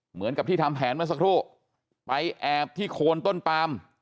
เหมือนกับที่ทำแผนเมื่อสักครู่ไปแอบที่โคนต้นปาม